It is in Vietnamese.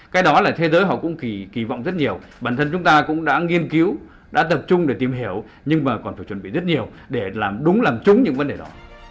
cái đó là thế giới họ cũng kỳ vọng rất nhiều bản thân chúng ta cũng đã nghiên cứu đã tập trung để tìm hiểu nhưng mà còn phải chuẩn bị rất nhiều để làm đúng làm chúng những vấn đề đó